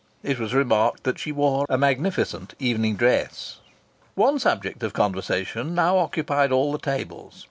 It was remarked that she wore a magnificent evening dress. One subject of conversation now occupied all the tables.